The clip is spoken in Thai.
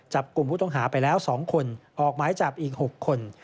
จับกลุ่มผู้ต้องหาไปแล้ว๒คนออกหมายจับอีก๖คน